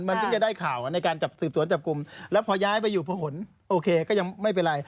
มันถึงจะได้ข่าวในการจับสืบสวนจับกลุ่มแล้วพอย้ายไปอยู่พหนโอเคก็ยังไม่เป็นไร